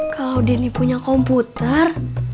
kalau dini punya komputer